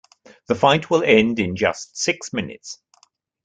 The fight will end in just six minutes.